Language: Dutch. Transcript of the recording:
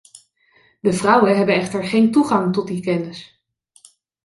De vrouwen hebben echter geen toegang tot die kennis.